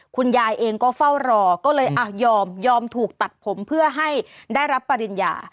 คุณยายเองก็เฝ้ารอก็เลยยอมยอมถูกตัดผมเพื่อให้ได้รับปริญญา